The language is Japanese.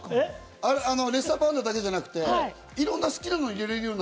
レッサーパンダだけじゃなくて、いろんな好きなの入れられるように。